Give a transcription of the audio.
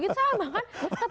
gitu sama kan